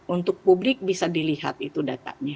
untuk publik bisa dilihat itu datanya